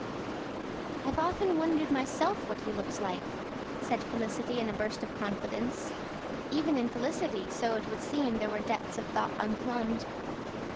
"I've often wondered myself what he looks like," said Felicity in a burst of confidence. Even in Felicity, so it would seem, there were depths of thought unplumbed.